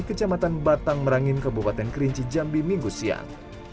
kecamatan batang merangin kabupaten kerinci jambi minggu siang